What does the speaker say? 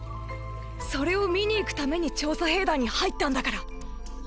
それを見に行くために調査兵団に入ったんだから。